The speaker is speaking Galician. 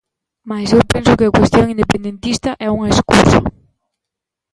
Mais eu penso que a cuestión independentista é unha escusa.